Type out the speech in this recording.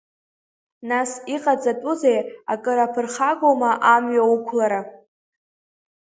Нас иҟаҵатәузеи, акыр аԥырхагоума амҩа уқәлара?